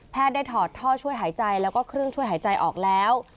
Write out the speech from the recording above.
ได้ถอดท่อช่วยหายใจแล้วก็เครื่องช่วยหายใจออกแล้ว